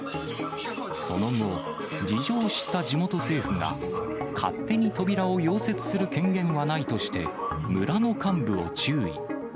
その後、事情を知った地元政府が、勝手に扉を溶接する権限はないとして、村の幹部を注意。